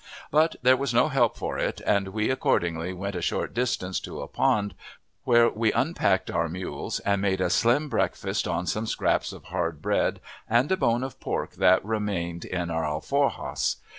But there was no help for it, and we accordingly went a short distance to a pond, where we unpacked our mules and made a slim breakfast; on some scraps of hard bread and a bone of pork that remained in our alforjas.